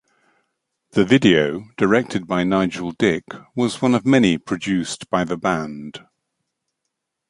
The video, directed by Nigel Dick, was one of many produced by the band.